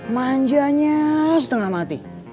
manjanya setengah mati